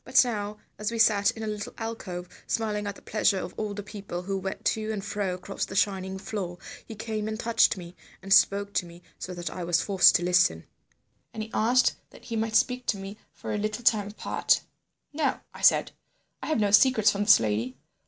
But now, as we sat in a little alcove, smiling at the pleasure of all the people who went to and fro across the shining floor, he came and touched me, and spoke to me so that I was forced to listen. And he asked that he might speak to me for a little time apart. "'No,' I said. 'I have no secrets from this lady.